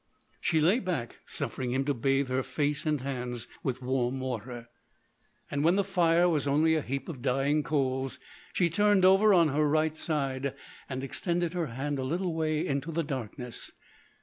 She lay back, suffering him to bathe her face and hands with warm water. When the fire was only a heap of dying coals, she turned over on her right side and extended her hand a little way into the darkness.